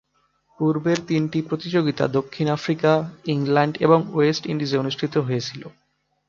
পূর্বের তিনটি প্রতিযোগিতা দক্ষিণ আফ্রিকা, ইংল্যান্ড এবং ওয়েস্ট ইন্ডিজে অনুষ্ঠিত হয়েছিল।